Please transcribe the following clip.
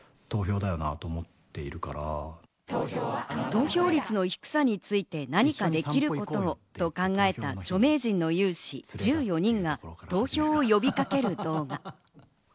投票率の低さについて何かできることをと考えた著名人の有志、１４人が投票を呼びかける動画。